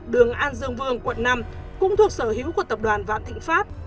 đường an dương vương quận năm cũng thuộc sở hữu của tập đoàn vạn thịnh pháp